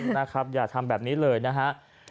นะครับอย่าทำแบบนี้เลยนะฮะ